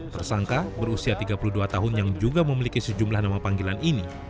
tersangka berusia tiga puluh dua tahun yang juga memiliki sejumlah nama panggilan ini